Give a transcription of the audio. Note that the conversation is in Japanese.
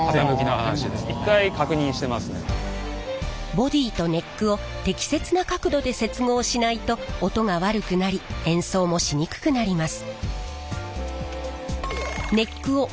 ボディーとネックを適切な角度で接合しないと音が悪くなり演奏もしにくくなります。